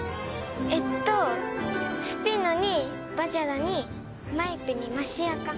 えっとスピノにバジャダにマイプにマシアカ。